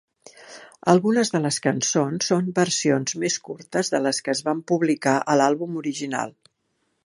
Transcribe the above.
Algunes de les cançons són versions més curtes de les que es van publicar a l'àlbum original.